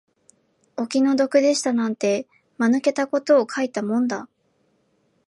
お気の毒でしたなんて、間抜けたことを書いたもんだ